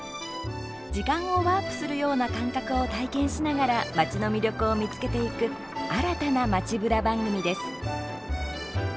時間をワープするような感覚を体験しながら街の魅力を見つけていく新たな街ブラ番組です。